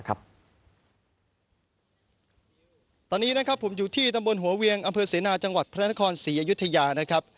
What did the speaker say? ตอนนี้ผมอยู่ที่ตำบลหัวเวียงอำเภอเซนาจังหวัดพระนคร๔อายุทยา